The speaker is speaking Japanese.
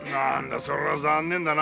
そりゃ残念だな。